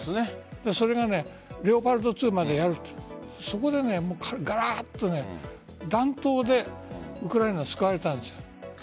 それがレオパルト２までそこで、がらっと暖冬で、ウクライナは救われたんです。